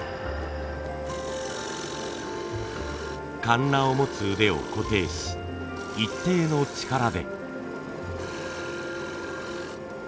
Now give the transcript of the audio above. カンナを持つ腕を固定し一定の力で。